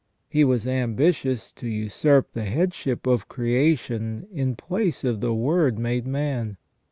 He was ambitious to usurp the headship of creation in place of the Word made man.